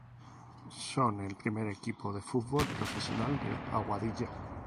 Son el primer equipo de fútbol profesional de Aguadilla.